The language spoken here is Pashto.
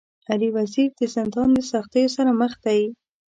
علي وزير د زندان د سختو سره مخ دی.